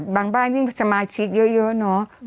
บ้านยิ่งสมาชิกเยอะเนาะ